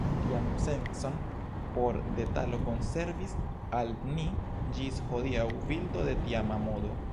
Lian sencon por detalo konservis al ni ĝis hodiaŭ bildo de tiama modo.